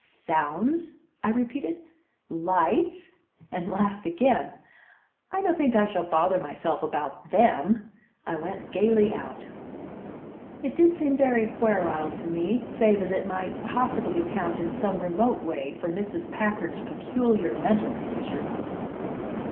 "Sounds?" I repeated. "Lights?" and laughed again. "I don't think I shall bother myself about them!" I went gaily out. It did seem very puerile to me, save as it might possibly account in some remote way for Mrs. Packard's peculiar mental condition.